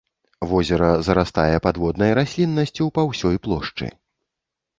Возера зарастае падводнай расліннасцю па ўсёй плошчы.